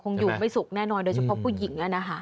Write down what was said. อยู่ไม่สุขแน่นอนโดยเฉพาะผู้หญิง